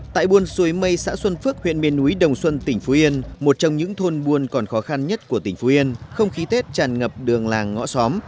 tại buôn xuôi mây xã xuân phước huyện miền núi đồng xuân tỉnh phú yên một trong những thôn buôn còn khó khăn nhất của tỉnh phú yên không khí tết tràn ngập đường làng ngõ xóm